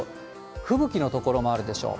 吹雪の所もあるでしょう。